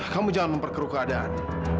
kamu jangan memperkeruk keadaan